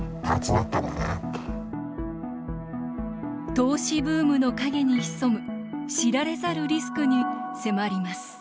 投資ブームの陰に潜む知られざるリスクに迫ります